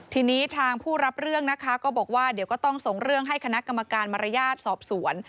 ทีนี้ทางผู้รับเรื่องนะคะก็บอกว่าเดี๋ยวก็ต้องส่งเรื่องให้คณะกรรมการมารยาทสอบสวน